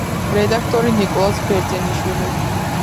რედაქტორი ნიკოლოზ ბერძენიშვილი.